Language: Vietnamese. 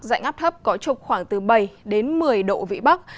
dạnh áp thấp có trục khoảng từ bảy đến một mươi độ vĩ bắc